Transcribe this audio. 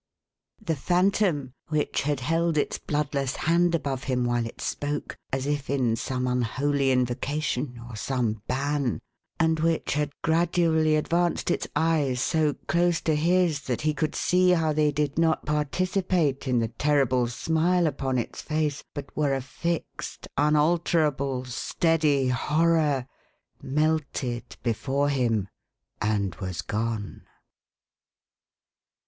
" The Phantom, which had held its bloodless hand above him while it spoke, as if in some unholy invocation, or some ban ; and which had gradually advanced its eyes so close to his, that he could see how they did not participate in the terrible smile upon its face, but were a fixed, unalterable, steady horror; melted before him and was gone.